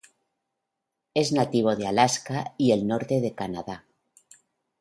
Es nativo de Alaska y el norte de Canadá.